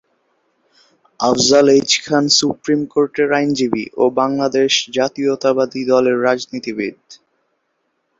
Afzal H Khan supreme কোর্টের আইনজীবী ও বাংলাদেশ জাতীয়তাবাদী দলের রাজনীতিবিদ।